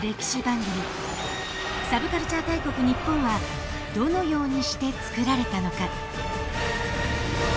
サブカルチャー大国日本はどのようにしてつくられたのか。